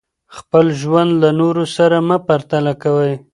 خپل ژوند له نورو سره مه پرتله کوئ.